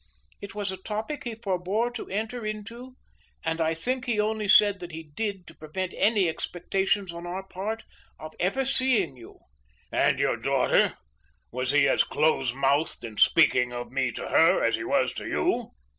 It was a topic he forbore to enter into and I think he only said what he did, to prevent any expectations on our part of ever seeing you." "And your daughter? Was he as close mouthed in speaking of me to her as he was to you?"